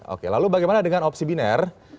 oke lalu bagaimana dengan opsi binar